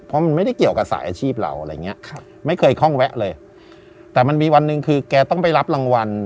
เพราะมันไม่ได้เกี่ยวกับสายอาชีพเราไม่เคยคล่องแวะเลยแต่มันมีวันหนึ่งคือแกต้องไปรับรางวัล